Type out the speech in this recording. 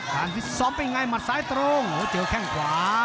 การพิสสอบเป็นไงหมัดซ้ายตรงเจอแข้งขวา